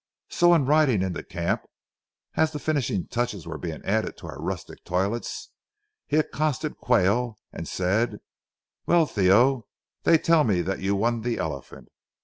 So on riding into camp, as the finishing touches were being added to our rustic toilets, he accosted Quayle and said: "Well, Theo, they tell me that you won the elephant.